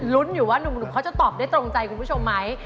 อยู่ว่านุ่มเขาจะตอบได้ตรงใจคุณผู้ชมไหม